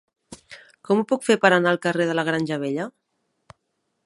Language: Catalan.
Com ho puc fer per anar al carrer de la Granja Vella?